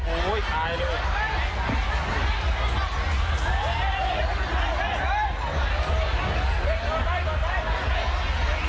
โอ้ยตายเลย